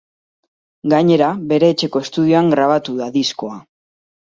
Gainera, bere etxeko estudioan grabatu da diskoa.